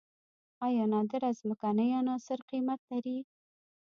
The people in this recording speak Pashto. آیا نادره ځمکنۍ عناصر قیمت لري؟